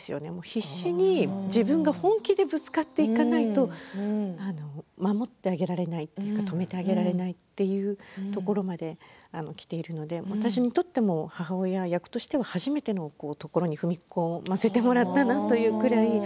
必死に自分が本気でぶつかっていかないと守ってあげられない止めてあげられないというところまできているので私にとっても母親役としては初めてのところに踏み込ませてもらったなというくらい。